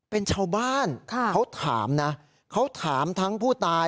เป็นชาวบ้านเขาถามนะเขาถามทั้งผู้ตาย